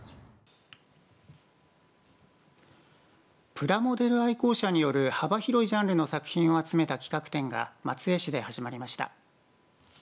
プラモデル愛好者による幅広いジャンルの作品を集めた企画展が松江市で始まりました。